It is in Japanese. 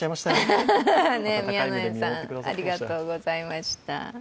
宮野園さん、ありがとうございました。